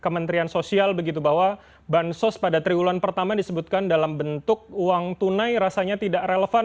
kementerian sosial begitu bahwa bansos pada triwulan pertama disebutkan dalam bentuk uang tunai rasanya tidak relevan